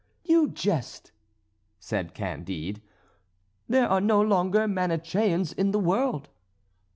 " "You jest," said Candide; "there are no longer Manicheans in the world."